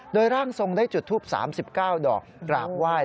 โดยร่างทรงได้จุดทูป๓๙ดอกกราบไหว้